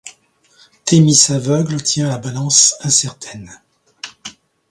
Thémis aveugle tient la balance incertaine.